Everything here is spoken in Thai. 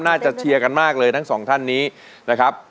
เชียร์กันมากเลยทั้งสองท่านนี้นะครับ